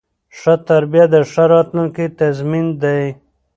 ښه تربیه د ښه راتلونکي تضمین دی.